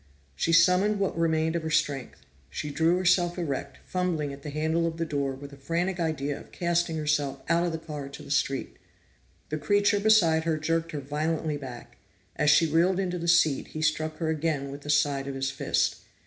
She summoned what remained of her strength. She drew herself erect, fumbling at the handle of the door with a frantic idea of casting herself out of the car to the street. The creature beside her jerked her violently back; as she reeled into the seat, he struck her again with the side of his fist.